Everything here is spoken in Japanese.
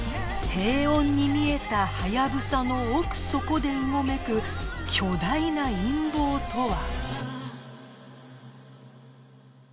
平穏に見えたハヤブサの奥底でうごめく巨大な陰謀とは